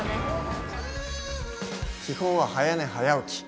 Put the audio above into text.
基本は早寝早起き。